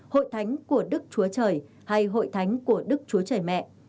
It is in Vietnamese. hội thánh của đức chúa trời hay hội thánh của đức chúa trời mẹ